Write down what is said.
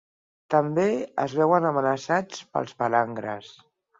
També es veuen amenaçats pels palangres.